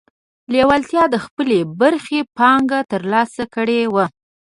لېوالتیا د خپلې برخې پانګه ترلاسه کړې وه.